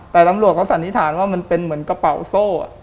แต่ตำรวจเขาสันนิษฐานว่ามันเป็นเหมือนกระเป๋าโซ่